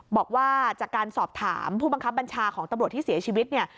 บอกว่าจากการสอบถามผู้บังคับบัญชาของตำรวจที่เสียชีวิตเนี่ย